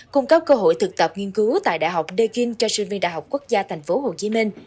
cung cấp cơ hội thực tập nghiên cứu tại đại học đê kinh cho sinh viên đại học quốc gia tp hcm